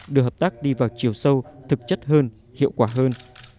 đưa hợp tác đi vào chiều sâu thực chất hơn hiệu quả hơn